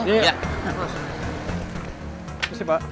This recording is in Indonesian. terima kasih pak